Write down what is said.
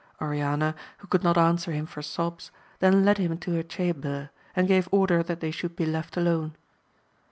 Oriana, who could not an swer him for sobs, then led him into her chamber, and gave order that they should be left alone.